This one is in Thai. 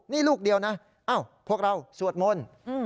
นี่ลูกเดียวนะพวกเราสวดมนต์